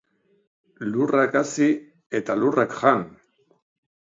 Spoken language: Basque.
Lurrak hazi eta lurrak jan.